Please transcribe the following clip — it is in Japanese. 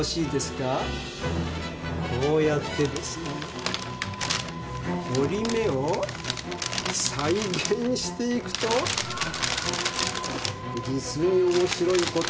こうやってですねえ折り目を再現していくと実に面白いことが起きるんです。